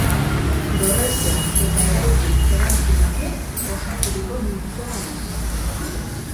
Dorretxeak eta eraikin erantsi batek osaturiko multzoa da.